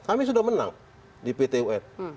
kami sudah menang di pt un